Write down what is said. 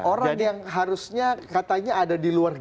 orang yang harusnya katanya ada di luar